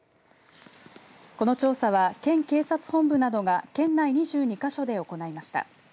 この調査は、県警察本部などが県内２２か所で行いました。